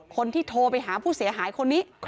คนที่โทรไปหาผู้เสียหายคนนี้